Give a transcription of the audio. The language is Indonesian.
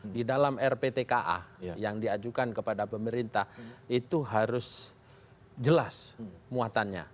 di pasal tujuh di dalam rptka yang diajukan kepada pemerintah itu harus jelas muatannya